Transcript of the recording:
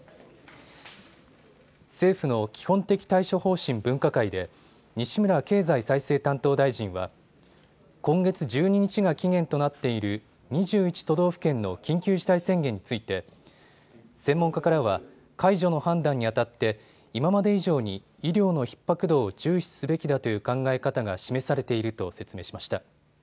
政府の基本的対処方針分科会で西村経済再生担当大臣は今月１２日が期限となっている２１都道府県の緊急事態宣言について専門家からは解除の判断にあたって今まで以上に医療のひっ迫度を重視すべきだという考え方が示されていると説明しました。